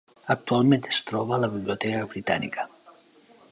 Actualment es troba a la Biblioteca Britànica.